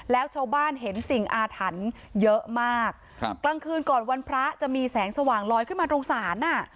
แล้วชาวบ้านเห็นสิ่งอาถรรพ์เยอะมากครับกลางคืนก่อนวันพระจะมีแสงสว่างลอยขึ้นมาตรงศาลอ่ะ